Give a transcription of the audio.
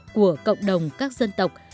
của cộng đồng các dân tộc